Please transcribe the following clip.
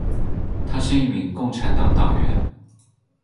她是一名共和党党员。